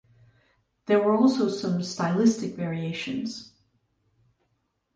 There were also some stylistic variations.